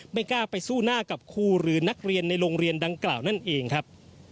ไม่กล้าไปสู้หน้ากับครูหรือนักเรียนในโรงเรียนดังกล่าวนั่นเองครับ